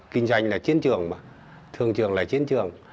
kinh doanh là chiến trường mà thường trường là chiến trường